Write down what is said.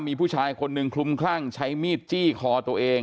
มีผู้ชายคนหนึ่งคลุมคลั่งใช้มีดจี้คอตัวเอง